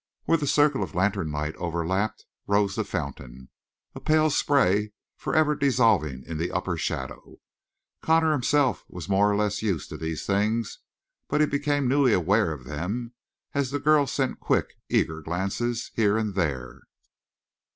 Where the circle of lantern light overlapped rose the fountain, a pale spray forever dissolving in the upper shadow. Connor himself was more or less used to these things, but he became newly aware of them as the girl sent quick, eager glances here and there.